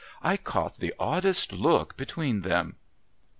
I caught the oddest look between them."